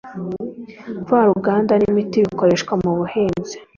mvaruganda n imiti bikoreshwa mu buhinzi